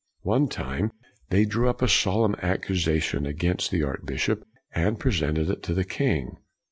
One time, they drew up a solemn accusa tion against the archbishop and presented it to the king.